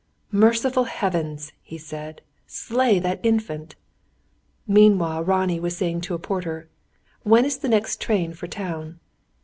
"Merciful heavens," he said, "slay that Infant!" Meanwhile Ronnie was saying to a porter: "When is the next train for town?"